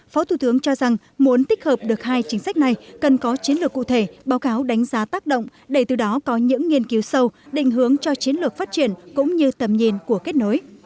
phó thủ tướng cho rằng muốn tích hợp được hai chính sách này cần có chiến lược cụ thể báo cáo đánh giá tác động để từ đó có những nghiên cứu sâu định hướng cho chiến lược phát triển cũng như tầm nhìn của kết nối